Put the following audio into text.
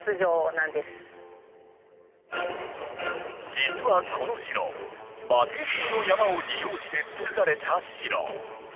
実はこの城馬蹄形の山を利用して造られた城。